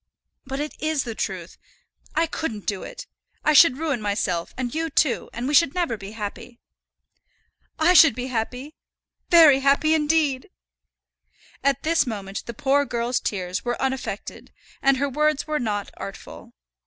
"But it is the truth. I couldn't do it. I should ruin myself and you too, and we should never be happy." "I should be happy, very happy indeed." At this moment the poor girl's tears were unaffected, and her words were not artful.